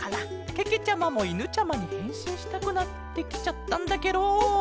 けけちゃまもいぬちゃまにへんしんしたくなってきちゃったんだケロ。